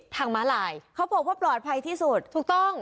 ม้าลายเขาบอกว่าปลอดภัยที่สุดถูกต้อง